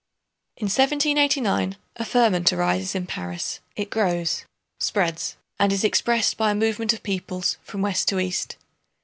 In 1789 a ferment arises in Paris; it grows, spreads, and is expressed by a movement of peoples from west to east.